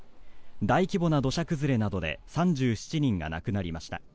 大規模な土砂崩れなどで３７人が亡くなりました。